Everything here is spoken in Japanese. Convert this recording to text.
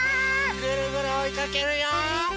ぐるぐるおいかけるよ！